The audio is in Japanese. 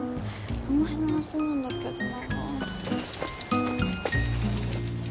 この辺のはずなんだけどな。